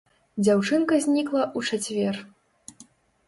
Дзяўчынка знікла ў чацвер.